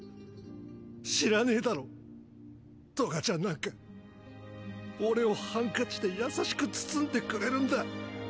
知らねェだろトガちゃんなんか俺をハンカチで優しく包んでくれるんだ。